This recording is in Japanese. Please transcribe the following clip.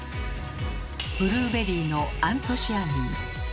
ブルーベリーの「アントシアニン」。